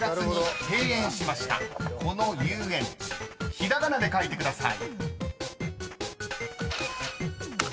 ［ひらがなで書いてください］